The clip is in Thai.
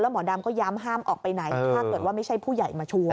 หมอดำก็ย้ำห้ามออกไปไหนถ้าเกิดว่าไม่ใช่ผู้ใหญ่มาชวน